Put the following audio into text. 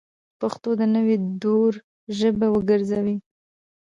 پښتو د نوي دور ژبه وګرځوئ